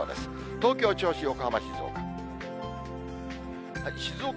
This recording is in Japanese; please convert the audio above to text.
東京、銚子、横浜、静岡。